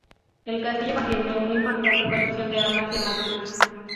El castillo contiene una importante colección de armas y armaduras.